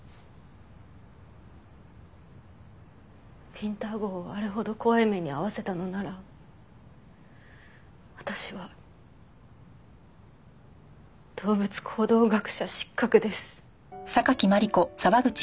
ウィンター号をあれほど怖い目に遭わせたのなら私は動物行動学者失格です。